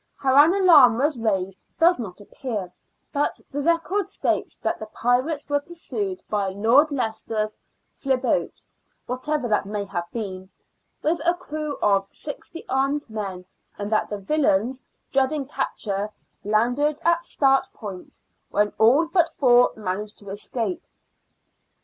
How an alarm was raised does not appear, but the record states that the pirates were pursued by " Lord Leicester's Flebote "— whatever that may have been — with a crew of sixty armed men, and that the villains, dreading capture, landed at Start Point, when all but four managed to escape.